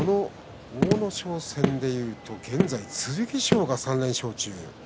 阿武咲戦でいうと現在、剣翔が３連勝中です。